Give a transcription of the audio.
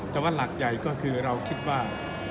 แต่ว่าหลักใหญ่ก็คือเราคิดว่า